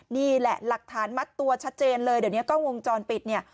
นี่แหละหลักฐานมัดตัวชัดเจนเลยเดี๋ยวนี้กล้องวงจรปิดเนี่ย